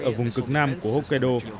ở vùng cực nam của hokkaido